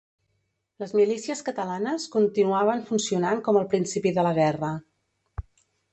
Les milícies catalanes continuaven funcionant com al principi de la guerra.